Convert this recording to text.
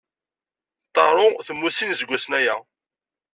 Ṭaṛu yemmut sin iseggasen aya.